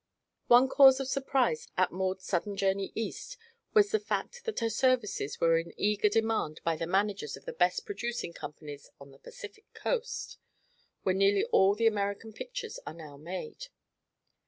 One cause of surprise at Maud's sudden journey east was the fact that her services were in eager demand by the managers of the best producing companies on the Pacific Coast, where nearly all the American pictures are now made.